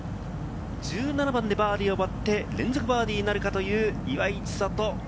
１７番でバーディーを奪って、連続バーディーになるかという岩井千怜。